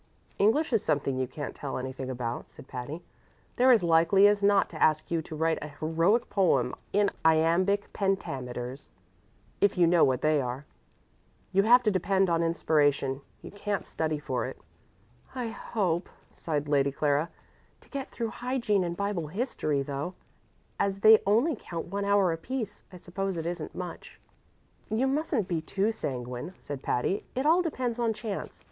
"English is something you can't tell anything about," said Patty. "They're as likely as not to ask you to write a heroic poem in iambic pentameters, if you know what they are. You have to depend on inspiration; you can't study for it." "I hope," sighed Lady Clara, "to get through hygiene and Bible history, though, as they only count one hour apiece, I suppose it isn't much." "You mustn't be too sanguine," said Patty. "It all depends on chance.